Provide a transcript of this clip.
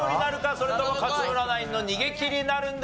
それとも勝村ナインの逃げきりなるんでしょうか？